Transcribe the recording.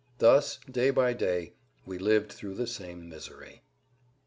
Thus day by day we lived through the same misery.